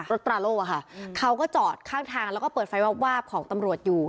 ตราโล่อะค่ะเขาก็จอดข้างทางแล้วก็เปิดไฟวาบวาบของตำรวจอยู่